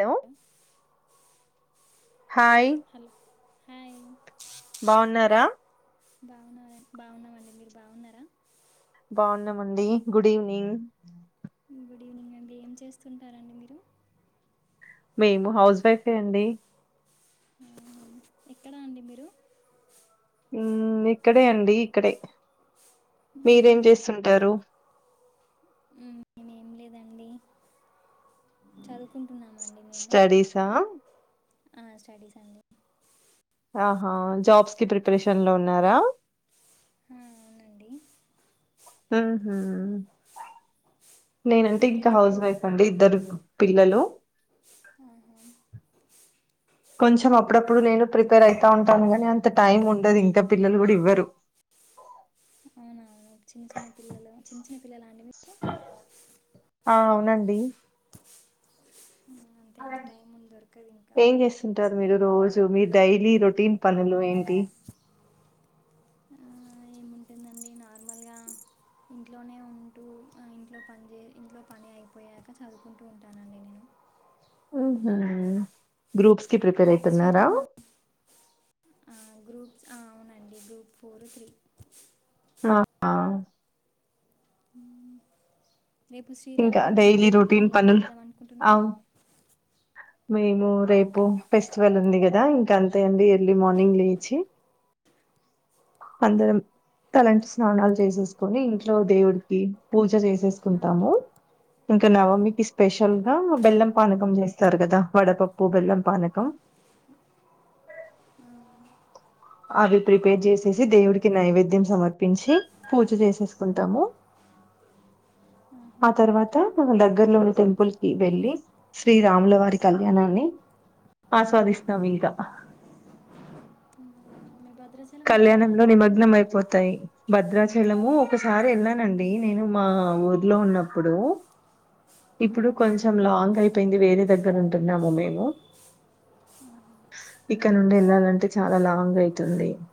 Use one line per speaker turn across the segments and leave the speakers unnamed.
Hello hi
hello hi
బావున్నారా?
బాగున్న బాగున్నామండి మీరు బాగున్నారా?
బాగున్నామండి గుడ్ ఈవినింగ్
గుడ్ ఈవినింగ్ అండి ఏం చేస్తుంటారండి మీరు?
మేము హౌస్ వైఫే అండి
ఉహు ఎక్కడ అండి మీరు
ఉమ్మ్ ఇక్కడే అండి ఇక్కడే మీరేం చేస్తుంటారు
ఉమ్ నేన్ ఏంలేదండి చదువుకుంటున్నామండి. మేము
స్టడీ సా
ఆ స్టడీస్ అండి
ఆహా జాబ్స్ కి ప్రిపరేషన్ లో ఉన్నారా?
హా అవునండి.
ఉహు నేనంటే
ఇంకా
ఇంక
రేపు
హౌస్ వైఫ్ అండి ఇద్దరు పిల్లలు
ఆహా,
కొంచెం అప్పుడప్పుడు నేను ప్రిపేర్ అవుతా ఉంటాను గాని అంత టైం ఉండదు ఇంకా పిల్లలు కూడా ఇవ్వరు.
అవునా చిన్న చిన్న పిల్లలు చిన్న చిన్న పిల్లలా అండి మీ
అవునండి.
ఆ, అంతే అండి టైం దొరకదు ఇంకా
ఏం చేస్తుంటరు మీరు రోజు మీ డైలీ రొటీన్ పనులు ఏంటి?
అ ఇంట్లోనే ఉంటూ అ ఇంట్లో పని చే ఇంట్లో పని అయిపోయాక చదువుకుంటూ ఉంటానండి నేను
ఉమ్మ్ గ్రూప్స్ కి ప్రిపేర్
రేపు
అయితున్నారా?
గ్రూప్స్ ఆ అవునండి గ్రూప్ ఫోర్ త్రీ
అ ఆ
ఉమ్ రేపు శ్రీరామ
ఇంకా
నవమి
డైలీ
కదండి
రొటీన్
ఏం
పనులు
చేద్దాం అనుకుంటున్నరు.
అవును మేము రేపు ఫెస్టివల్ ఉంది కదా ఇంకా అంతే అండి ఎర్లీ మార్నింగ్ లేచి [inaudible] అందరం తలంటి స్నానాలు చేసేసుకొని ఇంట్లో దేవుడికి పూజ చేసి
ఆహా,
చేసుకుంటాము ఇంకా నవమికి స్పెషల్ గా బెల్లం
ఆహా,
పానకం చేస్తారు కదా వడపప్పు బెల్లం పానకం [inaudible] అవి ప్రిపేర్ చేసేసి దేవుడికి నైవేద్యం సమర్పించి పూజ చేసేసుకుంటాము.
ఆహా,
[inaudible]
ఆహా.
ఆ తర్వాత మన దగ్గర్లోని టెంపుల్ కి వెళ్ళి శ్రీ రాములవారి కళ్యాణాన్ని ఆస్వాదిస్తాం ఇంకా
మీరు భద్రాచలం వెళ్ళారా
కళ్యాణంలో
అండి ఎప్పుడైనా
నిమగ్నం అయిపోతాయి భద్రాచల్ వెలము ఒక్కసారి ఎళ్ళానండి నేను మా ఊర్లో ఉన్నప్పుడు ఇప్పుడు
ఆహా,
కొంచెం లాంగ్ అయిపోయింది వేరే దగ్గర ఉంటున్నాము మేము ఇక్కడ నుండి ఎళ్ళాలంటే చాలా లాంగ్ అయితుంది. [inaudible]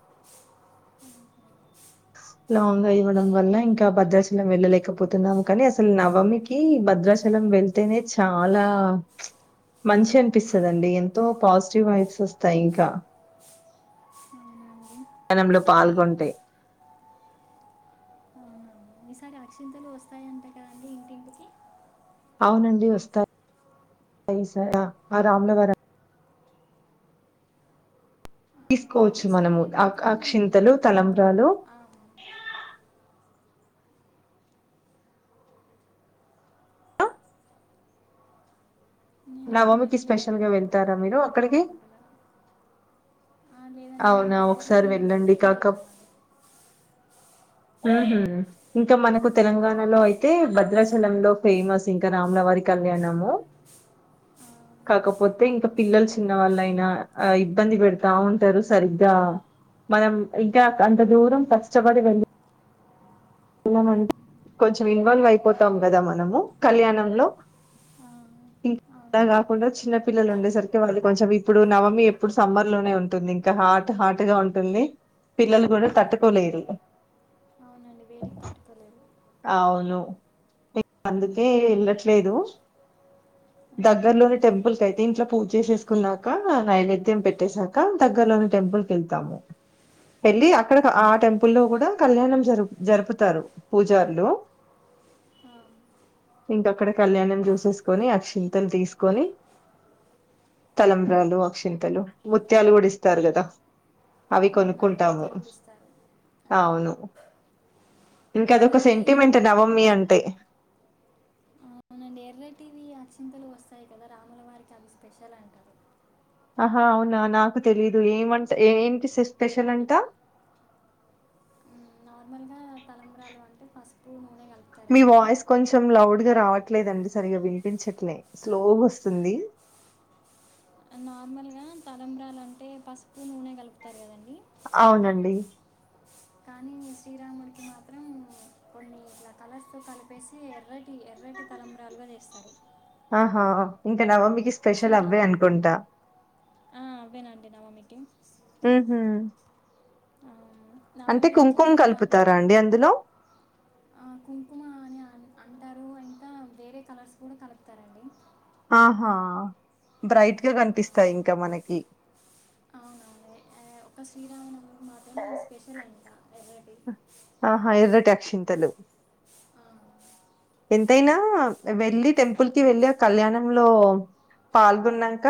లాంగ్ గా ఇవ్వడం వల్ల ఇంకా భద్రాచలం వెళ్ళలేకపోతున్నాము కానీ అసలు నవమి కి భద్రాచల్ చలం వెళ్తేనే చాలా మంచిగ అనిపిస్తుదండి ఎంతో పాజిటివ్ వైబ్స్ వస్తాయి ఇంకా
అవునా అండి
జనంలో పాల్గొంటే
రక్షింతలు వస్తాయంట కదీ ఇంటింటికి
అవునండి వస్తా ఈసారి ఆ రాములవార
ఆ,
తిసుకోవచ్చు మనము
ప్రతిసారి
ఆ
మాత్రం
అక్షింతలు,
అక్కడికి
తలంబ్రాలు
ఆ, నేను ఎప్పుడు
నావమికి
వెళ్ళలేదండి
స్పెషల్గా
ఎప్పుడైనా
వెళ్తారా మీరు
వెళ్ళాలి
అక్కడికి
అనుకుంటున్నాను ఆ, లేదండి మా
అవునా
దగ్గరలో
ఒకసారి
ఉన్న
వెళ్ళండి
గుడికే
కాక
వెళ్తామండి
హ్మ్ హు ఇంక మనకు తెలంగాణలో అయితే భద్రాచలంలో ఫేమస్ ఇంక రామలవారి కళ్యాణము కాకపోతే ఇంక పిల్లలు చిన్న వాళ్ళయినా అ ఇబ్బంది పెడతా ఉంటరు సరిగ్గా మనం ఇంకా అంత దూరం కష్టపడి వెళ్ళి కొంచెం ఇన్వాల్వ్ అయిపోతాం కదా మనము కళ్యాణంలో
ఆ,
ఇ [unintelligible]
ఆ,
అలా
అవునండి
కాకుండా చిన్న పిల్లలు ఉండేసరికి వాళ్ళు కొంచెం ఇప్పుడు నవమి ఎప్పుడు సమ్మర్ లోనే ఉంటుంది. ఇంకా హాట్ హాట్గా ఉంటుంది పిల్లలు కూడా తట్టుకోలేరు
అండి వేడికి తట్టుకోలేరు
అవును అందుకే ఎళ్ళట్లేదు
ఆహా.
దగ్గర్లోని టెంపుల్ కయితే ఇంట్లో పూజ చె చేేసుకున్నాక నైవేద్యం పెట్టేసాక దగ్గరలోని టెంపుల్ వెళ్తాము ఎళ్ళి అక్కడ ఆ టెంపుల్ లో కూడా కళ్యాణం జరు జరుపుతారు పూజర్లు
ఆ,
ఇంక అక్కడ కళ్యాణం చూసేసుకొని అక్షింతలు తిసుకొని తలంబ్రాలు, అక్షింతలు ముత్యాలు గుడా ఇస్తారు గదా అవి
అవునండి
కొనుక్కుంటాము
ముత్యాలు కూడా ఇస్తారు ఆ,
అవును ఇంక అద ఒక
ఎర్రటి
సెంటిమెంట్ నవమి అంటే
పుల్లటీవీ అచింతలు వస్తాయి కదా రాముల వారికి అవి స్పెషల్ అంటరు
ఆహా అవునా నాకు తెలీదు ఏమంట ఏంటి స్పెషల్ అంటా [inaudible]
నార్మల్ గా తలంబ్రాలు అంటే పసుపు, నూనె కల్
మీ వాయిస్ కొంచెం లౌడ్ గా రావట్లేదండి సరిగా వినిపించట్లే స్లోగా వస్తుంది. [inaudible]
నార్మల్గా తలంబ్రాలు అంటే పసుపు, నూనె కలుపుతరు కదండి
అవునండి
కానీ శ్రీరాముడికి మాత్రం కొన్ని ఇట్ల కలర్స్ తో కలిపేసి ఎర్రటి ఎ ఎర్రటి తలంబ్రాలుగ చేస్తరు
ఇంక నవమి
చిరా ఆ అవ్వేనండి నవమికి
హ్మ్ హు
ఆ,
అంటే
నవమికి
కుంకుమ్
ఆ,
కలుపుతారా అండి అందులో
కుంకుమ అని అ అంటారు ఇంకా వేరే కలర్స్ కూడా కలుపుతారండి
ఆహా బ్రైట్ గా
ఆ,
కనిపిస్తాయి ఇంక మనకి
శ్రీరామనవమి మాత్రమే స్పెషల్ అంట ఎవ
ఆహా ఎర్రటి అక్షింతలు
ఆ
ఎంతైనా వెళ్ళి టెంపుల్ కి వెళ్ళి ఆ కళ్యాణంలో పాల్గొన్నక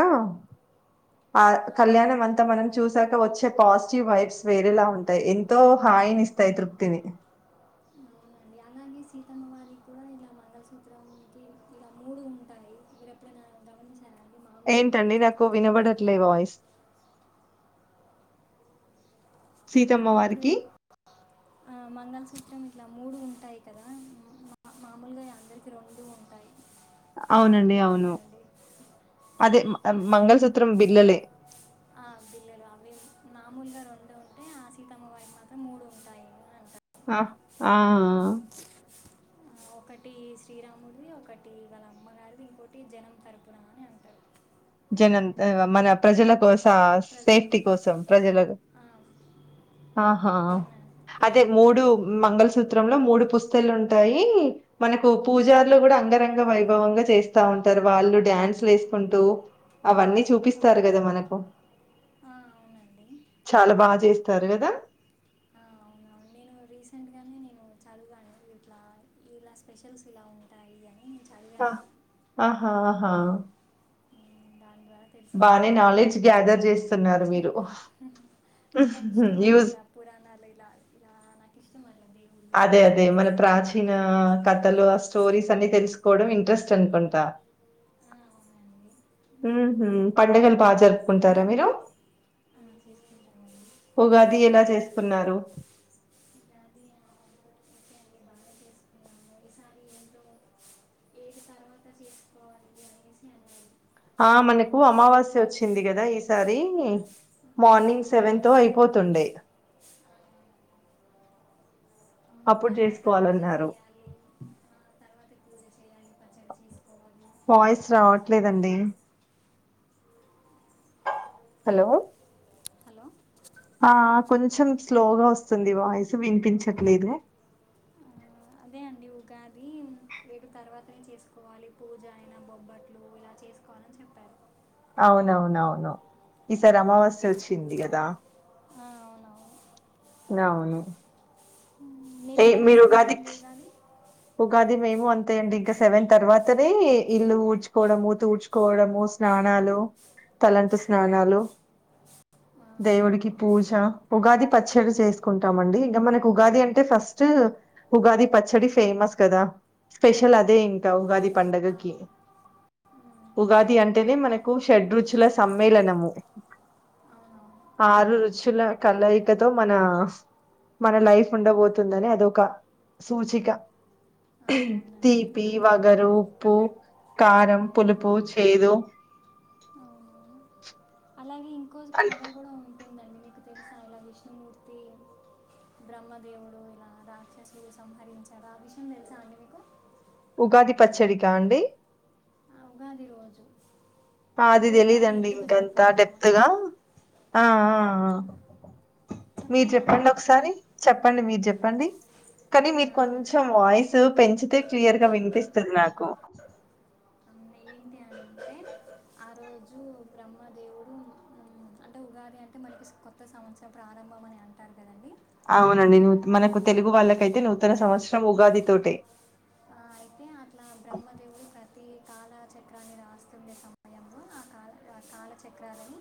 ఆ కళ్యాణం అంతా మనం చూసాక వచ్చే పాజిటివ్ వైబ్స్ వేరేలా ఉంటయి ఎంతో హా నీ ఇస్తయి తృప్తిని
మళ్ళి సీతమ్మవారి కూడా ఇలా మంగళసూత్రం కి గమనించారా
అ
అండి మామూలుగా
ఏంటండి నాకు
మంగళసూత్రానికి రెండు
వినబడట్లే
ఉంటాయి
వాయిస్ సీతమ్మ
ఇప్పుడు
వారికి
విన్ ఆ మంగళ సూత్రం ఇలా మూడు ఉంటాయి. కదా మా మామూలుగా అందరికి రెండు ఉంటాయి.
అవునండి
వాటిని
అవును.
ఏమంటారండి
అదే
వాటిని
మంగళసూత్రం బేలలే
ఆ బిళ్ళలు అవి మామూలుగా రో సీతమ్మ వాటి మాత్రం మూడు ఉంటాయి అ
ఆ ఆ
ఆ,
[inaudible]
ఒకటి శ్రీరాముడివి ఒకటి వాళ అమ్మగారిది ఇంకోటి జనం తరపున అని అంటారు
జనం హ మన ప్రజల కోస సేఫ్టీ
ప్రజలకు
కోసం ప్రజలకు
ఆ,
ఆహా
అవునండి
అదే మూడు మంగల్ సూత్ర త్ర లో మూడు పుస్తలు ఉంటాయి మనకు పూజరులు కూడా అంగరంగ వైభవంగా చేస్తా ఉంటారు వాళ్ళు డ్యాన్స్లు వేసుకుంటూ అవన్నీ
ఆ,
చూపిస్తారు కదా మనకు
ఆ, అవునండి
చాలా బా చేస్తారు కదా
రీసెంట్ గానే నేను చాలువుగాను ఇట్లా ఇలా స్పెషల్స్ ఇలా ఉంటాయి అని నేను చ
ఆ ఆహాహా
ఉమ్, దాని ద్వారా తెలిసింది
బానే
నాకు
నాలెడ్జ్ గ్యాదర్ చేస్తున్నారు మీరు.
నాకు ఇష్టం అండి
యూజ్
ఇలా పురానాలు ఇలా ఇలా నాకు ఇష్టం అట్లా దేవుళ్ళు
అదే అదే
పురాణాలు
మన ప్రాచీన కథలు ఆ స్టోరీస్ అన్ని తెలుసుకోవడం ఇంట్రెస్ట్ అనుకుంటా
ఆ, అవునండి
ఉమ్ పండగలు బాగా జరుపుకుంటారా మీరు [inaudible]
ఆ, చేసుకుంటామండి
ఉగాది ఎలా చేసుకున్నారు
ఉగాది ఓకే అండి బాగా చేసుకున్నాము ఈసారి ఏంటో ఏది తర్వాత చేసుకోవాలి అనేసి అన్నారు
ఆ మనకు అమావాస్య వచ్చింది కదా ఈసారి మార్నింగ్ సెవెన్ తో అయిపోతుండే
ఆ,
అప్పుడు
తర్వాత పూజ
చేసుకోవాలన్నారు
చేయాలి ఆ, తర్వాత పూజ చేయాలి పచ్చడి చేసుకోవాలి
వాయిస్
బొబ్బట్లు చేసుకోవాలి
రావట్లేదండి
అన్నారు
హలో
హలో
ఆ కొంచెం స్లోగా వస్తుంది వాయిస్ వినిపించట్లేదు
ఆ, అదే అండి ఉగాది ఏడు తర్వాతనే చేసుకోవాలి పూజ అయిన బొబ్బట్లు ఇలా చేసుకోవాలని చెప్పారు
అవునవునవును ఈసారి అమావాస్య వచ్చింది కదా
ఆ అవునవును
అవును
మీరు ఎలా చేసుకున్నారండి ఉగాది
ఉగాది మేము అంతే అండి ఇంకా సెవెన్ తర్వాతనే ఇల్లు ఊడ్చుకోవడం తుకోవడము స్నానాలు తలంటూ స్నానాలు
ఆ,
దేవుడికి పూజ ఉగాది పచ్చడి చేసుకుంటామండి ఇంకా మనకి ఉగాది అంటే ఫస్ట్ ఉగాది పచ్చడి ఫేమస్ కదా స్పెషల్ అదే
అవునవును
ఇంకా ఉగాది
రేపు- ఆ,
పండగకి
ఉమ్,
ఉగాది అంటేనే మనకు షడ్రుచుల సమ్మేళనము
అవునవును
ఆరు రుచుల కలయికతో మన మన లైఫ్ ఉండబోతుందని అదొక సూచిక
ఆ, అవునండి
తీపి, వగరు, ఉప్పు కారం,
ఉమ్,
పులుపు, చేదు
అవును అలాగే ఇంకో
అంటే
తథ కూడా తళ విషుమూర్తి బ్రహ్మదేవుడు ఇలా రాక్షసులు సంహరించారు ఆ విషయం తెలుసా అండి మీకు
ఉగాది పచ్చడికా అండి
ఉగాది రోజు
అది
అంటే ఉగాది
తెలీదండి
ఎందుకు
ఇంకంత
జరుపుకుంటామని
టడెప్త్గా ఆ మీరు
చెప్పాలా అండి
చెప్పండి ఒకసారి చెప్పండి మీరు చెప్పండి కానీ మీరు కొంచెం
ఆ,
వాయిస్ పెంచితే క్లియర్గా వినిపిస్తది నాకు అ
అవును, ఏంటి అంటే ఆ రోజు బ్రహ్మదేవుడు అంటే ఉగాది అంటే మనకి కొత్త సంవత్సరం ప్రారంభ ఆరంభం అని అంటారు కదండి
అవునండి ను మనకు తెలుగు వాళ్ళకైతే నూతన సంవత్సరం ఉగాది తోటే
ఆ అయితే అట్లా బ్రహ్మదేవుడు ప్రతి కాలా చక్రాన్ని రాస్తుండే సమయంలో అకాల ఆ కాళ చక్రాలని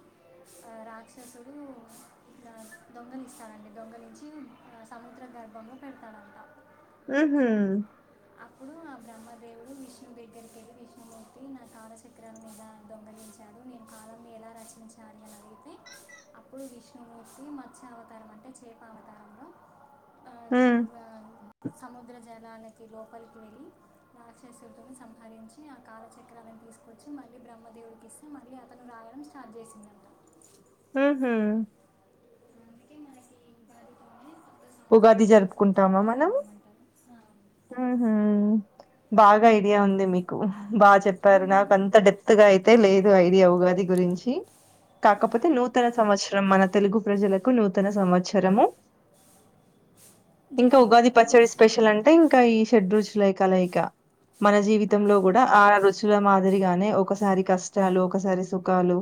ఆ రాక్షసుడు ఇట్ల దొంగలిస్తాడండి దొంగలించి ఆ సముద్రం గర్భంలో పెడతాడంట
ఉహు
అప్పుడు ఆ బ్రహ్మదేవుడు విష్ణు దగ్గరికి వెళ్ళి విష్ణుమూర్తి నా కాలచక్రాల మీద దొంగలించాడు నేను కాల నే ఎలా రచించాలి అని అడిగితే అప్పుడు విష్ణుమూర్తి మర్చ్య అవతారం అంటే చేప అవతారం అ
ఉ
ఇగ సముద్ర జలాలక్ కి లోపలికి వెళ్ళి రాక్షసుడితోని సంహరించి ఆ కాలచక్రాాలన్ని తీసుకొచ్చి మళ్ళీ బ్రహ్మ దేవుడికిస్తే మళ్ళీ అతను రాయడం స్టార్ట్ చేసిందట
ఉహు
అందుకే మనకి ఉగాదితోనే కొత్త సంవత్సరం
ఉగాది
నూతన సంవత్సరం
జరుపుకుంటామా మనం
ప్రారంభం అంటారు
ఊహు బాగా ఐడియా ఉంది మీకు బాగా చెప్పారు నాక అంత డెప్త్ గా అయితే లేదు ఐడియా ఉగాది గురించి కాకపోతే
ఆహా.
నూతన సంవత్సరం మన తెలుగు ప్రజలకు నూతన సంవత్సరము ఇంకా ఉగాది
జరుపుకుంటారని
పచ్చడి
తెలుసు
స్పెషల్ అంటే ఇంకా ఈ షెడ్రూచులయి కలయిక మన
ఆ,
జీవితంలో కూడా ఆ రుచుల మాదిరిగానే ఒకసారి కష్టాలు ఒకసారి సుఖాలు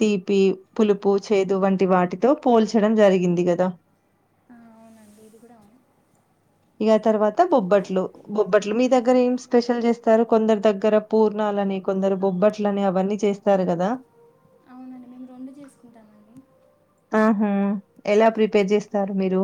తీపి పులుపు చేదు వంటి వాటితో పోల్చడం జరిగింది కదా
ఆ, అవునండి ఇది కూడా అవును
ఇక తర్వాత బొబ్బట్లు బొబ్బట్లు మీ
ఆ,
దగ్గర ఏం
బొబ్బట్లు
స్పెషల్ చేస్తారు కొందరు దగ్గర పూర్ణాలు అని కొందరు బొబ్బట్లని అవన్నీ చేస్తారు కదా
ఎందుకు చేసుకుంటారండి
ఆహా! ఎలా ప్రిపేర్ చేస్తారు మీరు